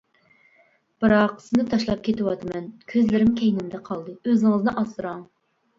بىراق سىزنى تاشلاپ كېتىۋاتىمەن، كۆزلىرىم كەينىمدە قالدى، ئۆزىڭىزنى ئاسراڭ.